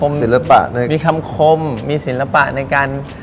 มีคำคมมีศิลปะในการ